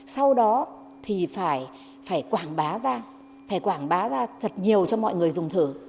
sau đó thì phải quảng bá ra phải quảng bá ra thật nhiều cho mọi người dùng thử